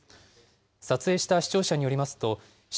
撮影した視聴者によりますと、下